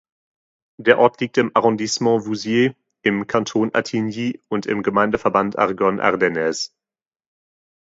Der Ort liegt im Arrondissement Vouziers im Kanton Attigny und im Gemeindeverband Argonne Ardennaise.